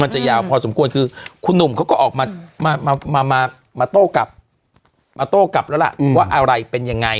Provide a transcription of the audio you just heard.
จะยาวพอสมควรคือคุณหนุ่มเขาก็ออกมามาโต้กลับมาโต้กลับแล้วล่ะว่าอะไรเป็นยังไง